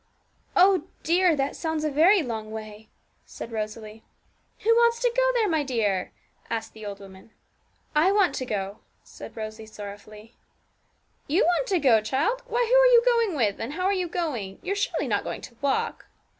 'Oh dear! that sounds a very long way!' said Rosalie. 'Who wants to go there, my dear?' asked the old woman. 'I want to go,' said Rosalie sorrowfully. 'You want to go, child? Why, who are you going with? and how are you going? You're surely not going to walk?'